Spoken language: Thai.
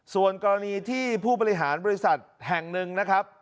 ส่วนกรณีที่ผู้บริหารบริษัทแห่ง๑